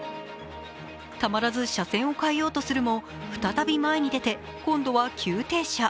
たまらず車線を変えようとするも、再び前に出て、今度は急停車。